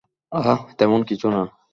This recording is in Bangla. আহ, তেমন কিছু না।